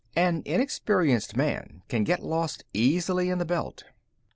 An inexperienced man can get lost easily in the Belt.